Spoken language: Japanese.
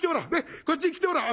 こっちへ来てもらおう」。